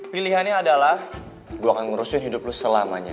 pilihannya adalah gue akan ngurusin hidup lo selamanya